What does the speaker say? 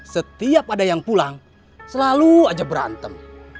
setiap ada yang pulang selalu aja berantem